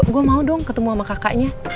gue mau dong ketemu sama kakaknya